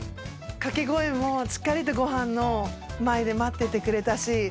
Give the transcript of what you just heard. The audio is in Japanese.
掛け声もしっかりとごはんの前で待っててくれたし。